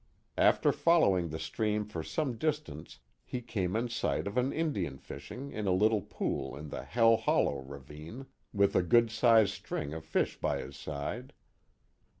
After following the stream for some distance he came in sight of an Indian fishing in a little pool in the Hell Hollow ravine, with a good sized string of fish by his side.